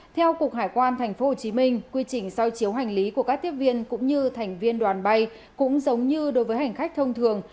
theo cục hải quan tp hcm quy trình soi chiếu hành lý của các tiếp viên cũng như thành viên đoàn bay cũng giống như đối với hành khách thông thường